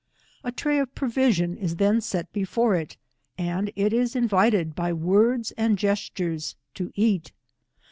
A tray of provision is then set before it, and it is invited by words and gestures to eat.